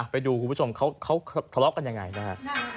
ไปดูคุณผู้ชมเขาทะเลาะกันยังไงนะฮะ